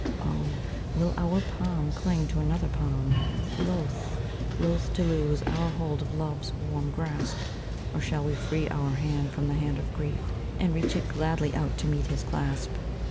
Oh! will our palm cling to another palm Loath, loath to loose our hold of love's warm grasp. Or shall we free our hand from the hand of grief, And reach it gladly out to meet his clasp?